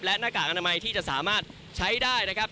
และหน้ากากอนามัยที่จะสามารถใช้ได้นะครับ